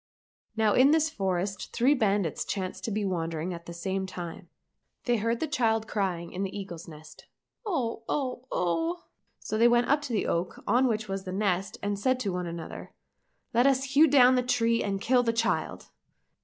Now in this forest three bandits chanced to be wandering at the same time. They heard the child crying in the eagle's nest :" Oo oo ! 00 00 ! 00 00 !" so they went up to the oak on which was the nest and said one to another, " Let us hew down the tree and kill the child